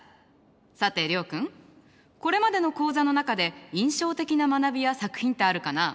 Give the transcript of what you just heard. さて諒君これまでの講座の中で印象的な学びや作品ってあるかな？